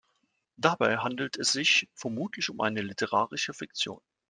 Dabei handelt es sich vermutlich um eine literarische Fiktion.